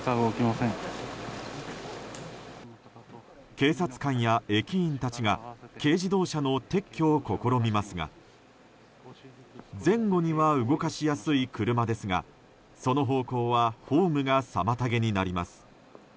警察官や駅員たちが軽自動車の撤去を試みますが前後には動かしやすい車ですがその方向はホームが妨げになります。